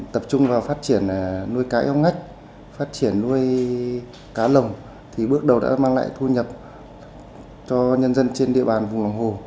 tập trung vào phát triển nuôi cá ông ngách phát triển nuôi cá lồng thì bước đầu đã mang lại thu nhập cho nhân dân trên địa bàn vùng lòng hồ